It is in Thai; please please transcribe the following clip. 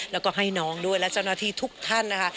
แล้วก็ให้น้องด้วยและเจ้าหน้าที่ทุกท่านนะคะ